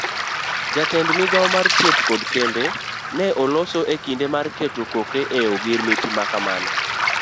Jatend migawo mar theth kod kembe ne oloso ekinde keto koke e ogirimiti makamano.